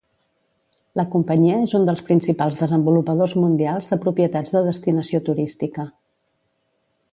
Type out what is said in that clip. La companyia és un dels principals desenvolupadors mundials de propietats de destinació turística.